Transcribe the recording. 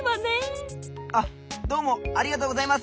あっどうもありがとうございます！